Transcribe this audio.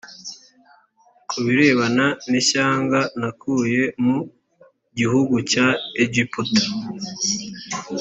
ku birebana n ishyanga nakuye mu gihugu cya egiputa